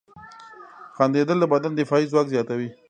• خندېدل د بدن دفاعي ځواک زیاتوي.